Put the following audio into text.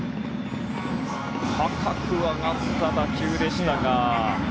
高く上がった打球でしたが。